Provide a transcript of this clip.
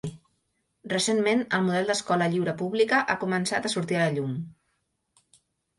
Recentment, el model d’escola lliure pública ha començat a sortir a la llum.